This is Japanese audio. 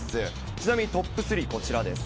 ちなみに、トップ３こちらです。